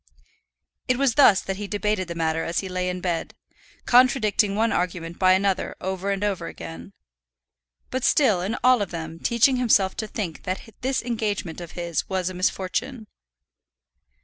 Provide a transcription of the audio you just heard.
It was thus that he debated the matter as he lay in bed, contradicting one argument by another over and over again; but still in all of them teaching himself to think that this engagement of his was a misfortune.